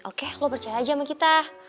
oke lo percaya aja sama kita